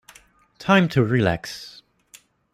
Time to relax.